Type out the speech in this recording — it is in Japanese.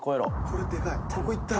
これでかい。